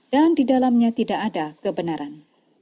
dan di dalamnya tidak ada kebenaran